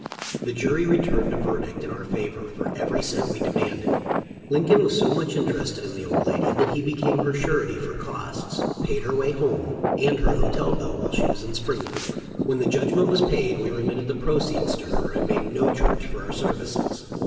The jury returned a verdict in our favor for every cent we demanded. Lincoln was so much interest ed in the old lady that he became her surety for costs, paid her way home, and her hotel bill while she was in Springfield. When the judgment was paid we remitted the proceeds to her and made no charge for our services.